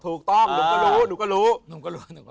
ถูกต้องหนูก็รู้หนูก็รู้